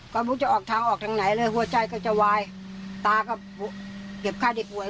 ก็ไม่รู้จะออกทางออกทางไหนเลยหัวใจก็จะวายตาก็เก็บค่าที่ป่วย